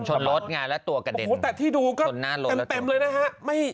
ชนรถไงแล้วตัวกระเด็นแต่ที่ดูก็เต็มเลยนะฮะ